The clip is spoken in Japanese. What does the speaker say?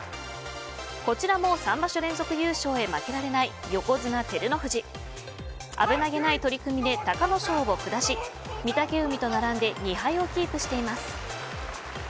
こちらも３場所連続優勝へ負けられない横綱、照ノ富士危なげない取り組みで隆の勝を下し御嶽海と並んで２敗をキープしています。